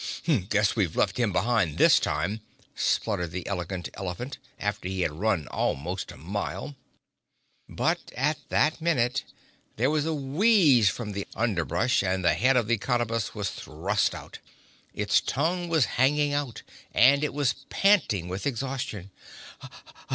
"Guess we've left him behind this time," spluttered the Elegant Elephant, after he had run almost a mile. But at that minute there was a wheeze from the underbrush and the head of the Cottabus was thrust out. Its tongue was hanging out and it was panting with exhaustion.